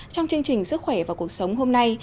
trong chương trình sức khỏe và cuộc sống hôm nay